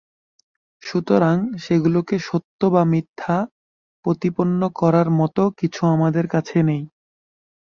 সুতরাং সেগুলোকে সত্য বা মিথ্যা প্রতিপন্ন করার মত কিছু আমাদের কাছে নেই।